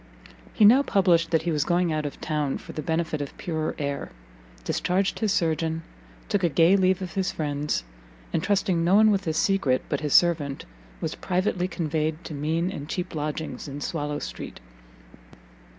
He now published that he was going out of town for the benefit of purer air, discharged his surgeon, took a gay leave of his friends, and trusting no one with his secret but his servant, was privately conveyed to mean and cheap lodgings in Swallow street.